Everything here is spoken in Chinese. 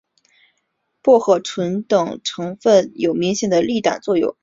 薄荷醇等多种成分有明显的利胆作用。